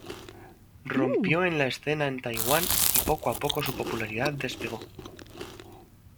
Rompió en la escena en Taiwán y poco a poco su popularidad despegó.